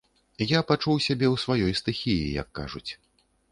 Я пачуў сябе ў сваёй стыхіі, як кажуць.